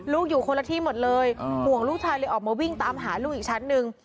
อยู่คนละที่หมดเลยห่วงลูกชายเลยออกมาวิ่งตามหาลูกอีกชั้นหนึ่ง